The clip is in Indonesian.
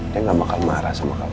dia gak bakal marah sama kamu